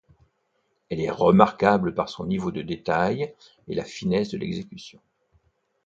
Elle est remarquable par son niveau de détail et la finesse de l'exécution.